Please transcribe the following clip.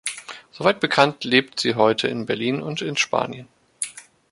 Soweit bekannt, lebt sie heute in Berlin und in Spanien.